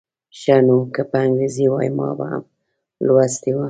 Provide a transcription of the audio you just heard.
ښه نو که په انګریزي وای ما به هم لوستی و.